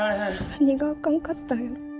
何があかんかったんやろ。